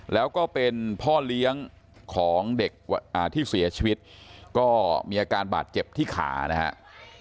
แล้วก็เป็นพ่อเลี้ยงของเด็กที่เสียชีวิตก็มีอาการบาดเจ็บที่ขานะครับ